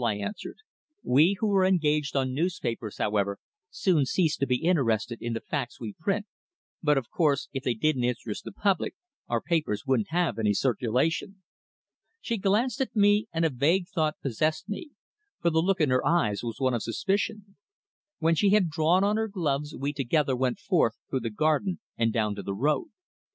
I answered. "We who are engaged on newspapers, however, soon cease to be interested in the facts we print, but of course, if they didn't interest the public our papers wouldn't have any circulation." She glanced at me, and a vague thought possessed me, for the look in her eyes was one of suspicion. When she had drawn on her gloves we together went forth through the garden and down to the road.